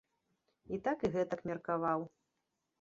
І так і гэтак меркаваў.